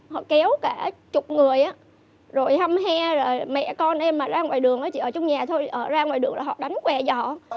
họ kéo cả chục người rồi hâm he mẹ con em ra ngoài đường ở trong nhà thôi ra ngoài đường là họ đánh què dọ